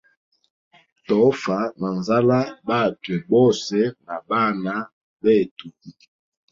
Tofa na nzala bwatwe bose na bana betu.